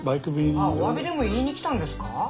あっお詫びでも言いに来たんですか？